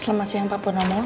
selamat siang pak bonomo